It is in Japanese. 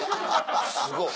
すごっ。